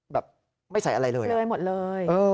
แบบไม่ใส่อะไรเลยเลยหมดเลย